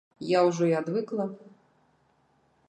Я ўжо і адвыкла.